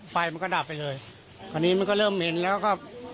ไฟมันก็ดับไปเลยคราวนี้มันก็เริ่มเหม็นแล้วก็